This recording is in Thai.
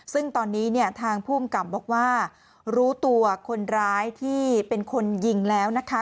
ซึ่งตอนนี้เนี่ยทางภูมิกับบอกว่ารู้ตัวคนร้ายที่เป็นคนยิงแล้วนะคะ